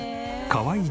かわいい。